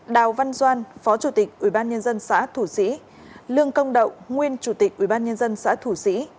đào văn doan phó chủ tịch ubnd xã thủ sĩ lương công đậu nguyên chủ tịch ubnd xã thủ sĩ